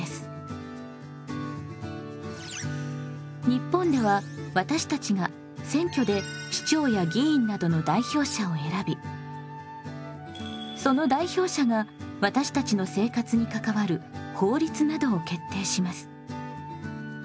日本では私たちが選挙で首長や議員などの代表者を選びその代表者が私たちの生活に関わる法律などを決定します。